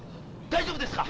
大丈夫ですか？